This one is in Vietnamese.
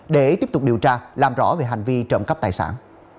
để tiếp tục điều tra làm rõ về hành vi trộm cắp tài sản